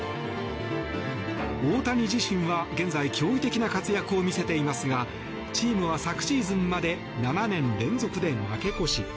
大谷自身は現在驚異的な活躍を見せていますがチームは昨シーズンまで７年連続で負け越し。